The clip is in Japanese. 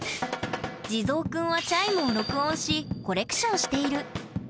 地蔵くんはチャイムを録音しコレクションしている。